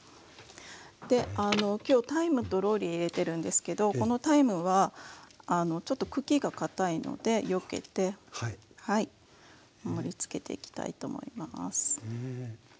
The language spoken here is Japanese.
できょうタイムとローリエ入れてるんですけどこのタイムはちょっと茎がかたいのでよけてはい盛りつけていきたいと思います。